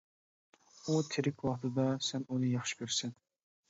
ئۇ تىرىك ۋاقتىدا سەن ئۇنى ياخشى كۆرىسەن.